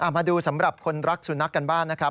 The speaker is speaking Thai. มาดูสำหรับคนรักสุนัขกันบ้างนะครับ